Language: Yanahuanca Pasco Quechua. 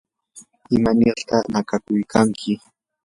¿imanirta nakakuykanki?